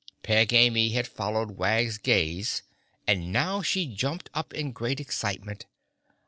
Peg Amy had followed Wag's gaze and now she jumped up in great excitement.